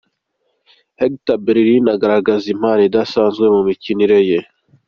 Hector Bellerin agaragaza impano idasanzwe mu mikinire ye.